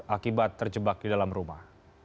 akibat terjebak di dalam rumah